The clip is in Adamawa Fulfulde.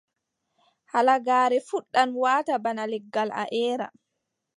Halagaare fuɗɗan waata bana legal, a eera.